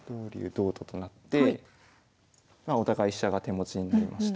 同と金となってお互い飛車が手持ちになりました。